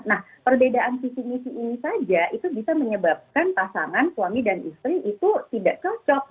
nah perbedaan visi misi ini saja itu bisa menyebabkan pasangan suami dan istri itu tidak cocok